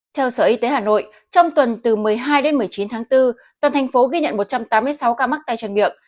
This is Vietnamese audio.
theo sở y tế hà nội trong tuần từ một mươi hai đến một mươi chín tháng bốn toàn thành phố ghi nhận một trăm tám mươi sáu ca mắc tay chân miệng